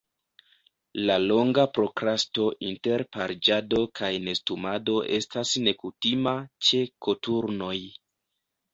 La longa prokrasto inter pariĝado kaj nestumado estas nekutima ĉe koturnoj.